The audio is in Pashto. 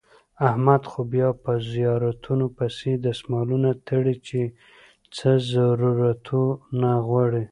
احمد خو بیا په زیارتونو پسې دسمالونه تړي چې څه ضرورتو نه غواړي.